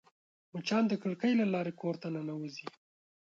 مچان د کړکۍ له لارې کور ته ننوزي